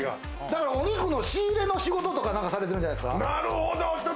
だから、お肉の仕入れの仕事とか何かされてるんじゃないですか？